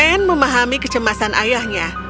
anne memahami kecemasan ayahnya